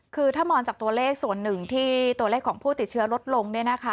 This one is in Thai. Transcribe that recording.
คือถ้ามองจากตัวเลขส่วนหนึ่งที่ตัวเลขของผู้ติดเชื้อลดลง